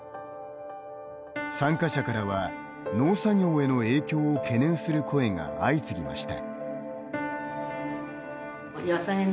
参加者からは、農作業への影響を懸念する声が相次ぎました。